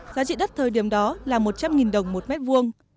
giá trị đất thời điểm đó là một trăm linh đồng một mét vuông